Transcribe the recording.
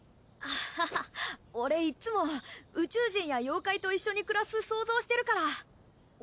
アハハ俺いつも宇宙人や妖怪と一緒に暮らす想像してるから。